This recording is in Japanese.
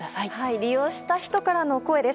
利用した人からの声です。